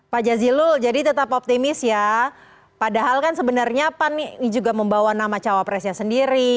pak jazilul jadi tetap optimis ya padahal kan sebenarnya pan juga membawa nama cawapresnya sendiri